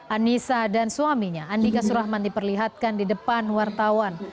anissa dan suaminya andika surahman diperlihatkan di depan wartawan